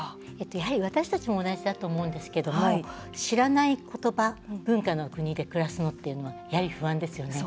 やはり私たちも同じだと思うんですけども知らない言葉、文化の国で暮らすのっていうのはやはり不安ですよね。